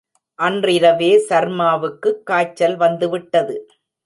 அன்றிரவே சர்மாவுக்குக் காய்ச்சல் வந்துவிட்டது.